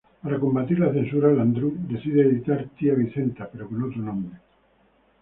Para combatir la censura, Landrú decidió editar Tía Vicenta pero con otro nombre.